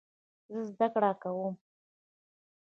زه زده کړه کوم.